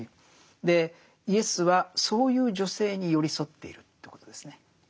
でイエスはそういう女性に寄り添っているということですね。